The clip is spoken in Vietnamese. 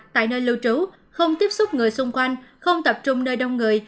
tại nơi lưu trú không tiếp xúc người xung quanh không tập trung nơi đông người